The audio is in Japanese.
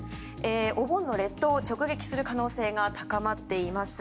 お盆の列島を直撃する可能性が高まっています。